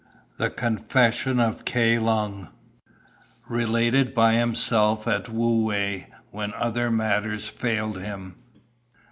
THE CONFESSION OF KAI LUNG Related by himself at Wu whei when other matter failed him.